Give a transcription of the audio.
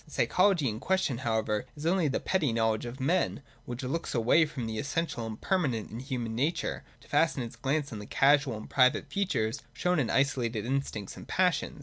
The psychology in question however is only that petty know ledge of men, which looks away from the essential and permanent in human nature to fasten its glance on the casual and private features shown in isolated instincts and passions.